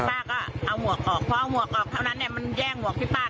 ป้าก็เอาหมวกออกพอเอาหมวกออกเท่านั้นเนี่ยมันแย่งหมวกที่ป้า